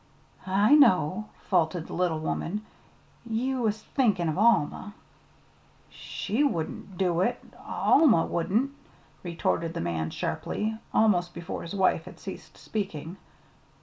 "I know," faltered the little woman. "You was thinkin' of Alma." "She wouldn't do it Alma wouldn't!" retorted the man sharply, almost before his wife had ceased speaking.